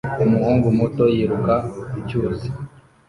umuhungu muto yiruka ku cyuzi